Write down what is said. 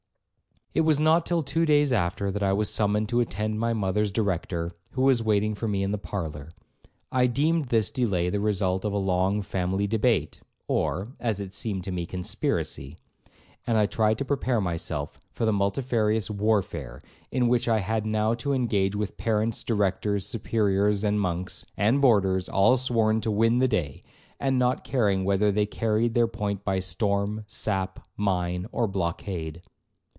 'It was not till two days after, that I was summoned to attend my mother's Director, who was waiting for me in the parlour. I deemed this delay the result of a long family debate, or (as it seemed to me) conspiracy; and I tried to prepare myself for the multifarious warfare in which I had now to engage with parents, directors, superiors, and monks, and boarders, all sworn to win the day, and not caring whether they carried their point by storm, sap, mine, or blockade.